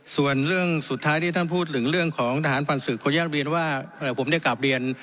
ส่วนเรื่องสุดท้ายที่ท่านพูดถึงเรื่องของทหารฟันศึกขออนุญาตเรียนว่าผมได้กลับเรียน